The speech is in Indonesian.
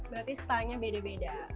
berarti style nya beda beda